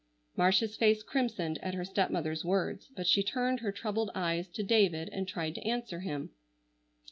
Marcia's face crimsoned at her stepmother's words, but she turned her troubled eyes to David and tried to answer him.